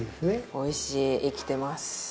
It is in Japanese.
おいしい生きてます。